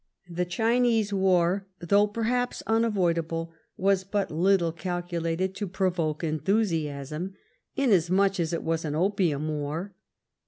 The Chinese war, though perhaps unavoidable, was but little calculated to provoke enthusiasm, inasmuch as it was an opium " war.